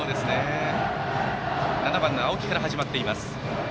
打席は７番の青木から始まっています。